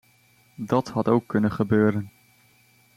Dat had ook kunnen gebeuren.